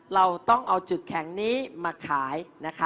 เราต้องเอาจุดแข็งนี้มาขายนะคะ